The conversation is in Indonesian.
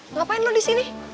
ngapain lo disini